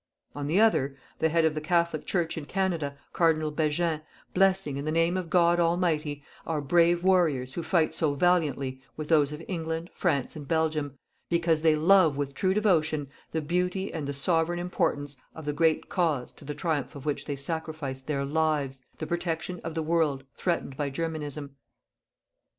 On the other, the Head of the Catholic Church in Canada, Cardinal Begin, blessing in the name of God Almighty our brave warriors who fight so valiantly with those of England, France and Belgium, because they love with true devotion the beauty and the sovereign importance of the great cause to the triumph of which they sacrifice their lives the protection of the world threatened by Germanism.